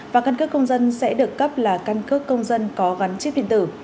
và căn cước công dân sẽ được cấp là căn cước công dân có gắn chiếc điện tử